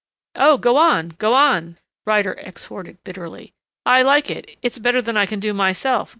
"Oh, go on, go on," Ryder exhorted bitterly. "I like it. It's better than I can do myself.